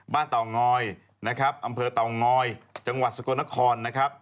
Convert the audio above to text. บ้านเต๋างอยอำเภอเต๋างอยจังหวัดสกรนคร